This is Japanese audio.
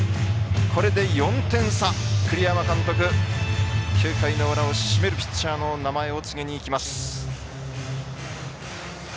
これで４点差、栗山監督９回の裏を締めるピッチャーの名前を告げにいきます。